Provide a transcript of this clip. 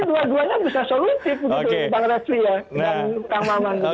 jadi dua duanya bisa solusif gitu bang rasyia dan kang maman